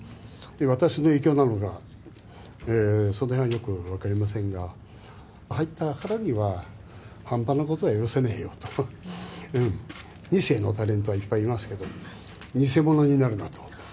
私の影響なのか、それはよく分かりませんが、入ったからには、半端なことは許されないよと、２世のタレントはいっぱいいますけれども、偽物になるなと。